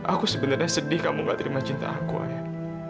aku sebenarnya sedih kamu gak terima cinta aku aja